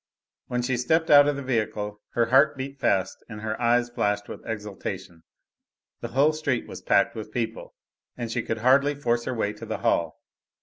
When she stepped out of the vehicle her heart beat fast and her eyes flashed with exultation: the whole street was packed with people, and she could hardly force her way to the hall!